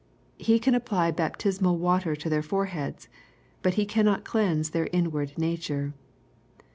He can apply baptismal water to their foreheads, but he cannot cleanse their inward nature.